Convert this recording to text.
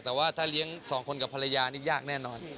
แต่ว่าถ้าเลี้ยงสองคนกับภรรยานี่ยากแน่นอน